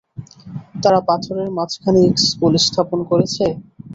তারা পাথরের মাঝখানে স্কুল স্থাপন করেছে?